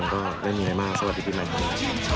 ก็ไม่มีอะไรมากสวัสดีปีใหม่ครับ